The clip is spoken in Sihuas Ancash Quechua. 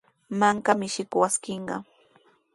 Mankami shikwaskishqa.